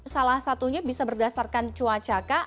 salah satunya bisa berdasarkan cuaca kah